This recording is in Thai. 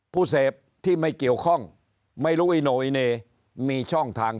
ผู้เสพที่ไม่เกี่ยวข้องไม่รู้อีโนอิเนมีช่องทาง